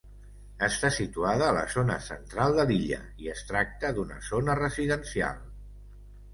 Està situada a la zona central de l'illa i es tracta d'una zona residencial.